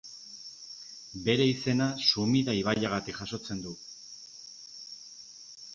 Bere izena Sumida ibaiagatik jasotzen du.